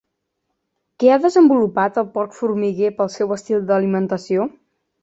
Què ha desenvolupat el porc formiguer pel seu estil d'alimentació?